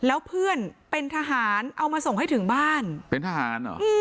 แล้วเพื่อนเป็นทหารเอามาส่งให้ถึงบ้านเป็นทหารเหรอ